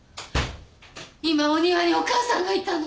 今お庭にお義母さんがいたの。